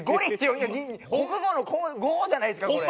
国語の「語」じゃないですかこれ。